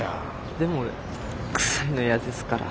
でも俺臭いのやですから。